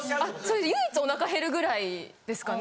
唯一お腹へるぐらいですかね。